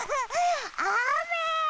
あめ！